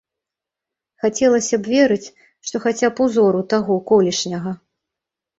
Хацелася б верыць, што хаця б узору таго колішняга.